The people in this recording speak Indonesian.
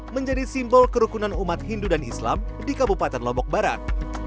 menjadi simbol kerukunan umat hindu dan islam di kabupaten lombok barat